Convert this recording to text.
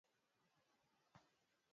Nilienda shule jana.